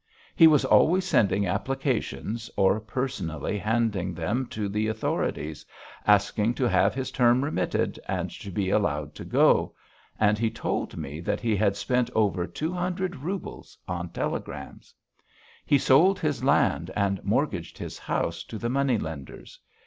He was always sending applications or personally handing them to the authorities, asking to have his term remitted and to be allowed to go, and he told me that he had spent over two hundred roubles on telegrams. He sold his land and mortgaged his house to the money lenders.